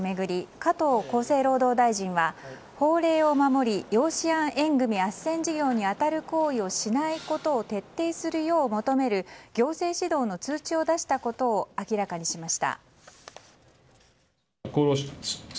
加藤厚生労働大臣は、法令を守り養子縁組あっせん事業に当たる行為をしないことを徹底するよう求める行政指導の通知を出したことを明らかにしました。